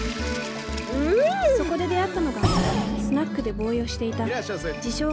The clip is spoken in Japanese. そこで出会ったのがスナックでボーイをしていた自称